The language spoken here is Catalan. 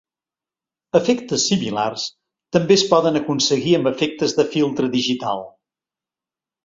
Efectes similars també es poden aconseguir amb efectes de filtre digital.